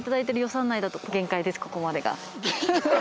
ここまでが。